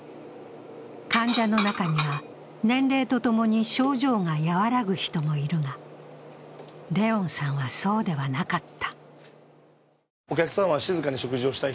患者の中には、年齢とともに症状が和らぐ人もいるが、怜音さんは、そうではなかった。